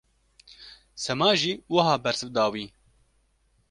Sema jî wiha bersiv da wî.